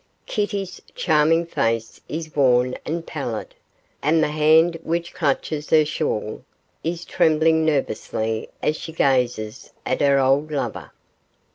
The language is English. Kitty's charming face is worn and pallid, and the hand which clutches her shawl is trembling nervously as she gazes at her old lover.